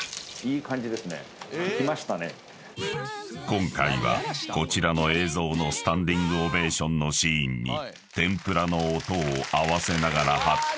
［今回はこちらの映像のスタンディングオベーションのシーンに天ぷらの音を合わせながら発表］